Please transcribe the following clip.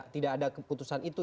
tidak ada keputusan itu